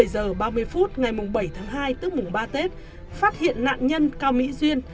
đến một mươi h ba mươi phút ngày bảy tháng hai tức mùng ba tết phát hiện nạn nhân cao my duyên